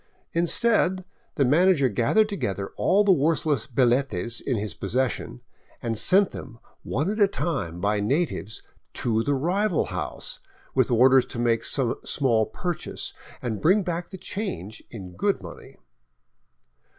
Instead, the manager gathered together all the worthless hilletes in his possession and sent tl^^em one at a time by natives to the rival house, with orders to make some small purchase and bring back the change in good money.